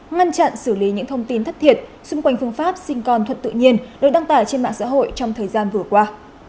ngăn chặn xử lý những thông tin thất thiệt xung quanh phương pháp sinh con thật tự nhiên được đăng tải trên mạng xã hội trong thời gian vừa qua